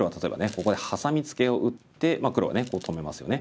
ここでハサミツケを打って黒はねこう止めますよね。